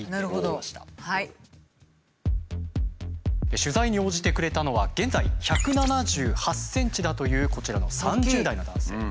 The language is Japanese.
取材に応じてくれたのは現在１７８ｃｍだというこちらの３０代の男性。